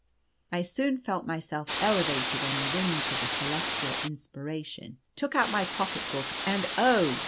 I soon felt myself elevated on the wings of a celestial inspiration, took out my pocket book, and, oh!